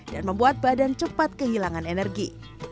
dan membuat badan cepat kehilangan energi